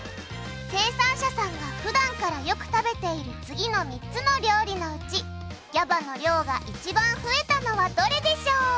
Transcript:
生産者さんが普段からよく食べている次の３つの料理のうちＧＡＢＡの量が一番増えたのはどれでしょう？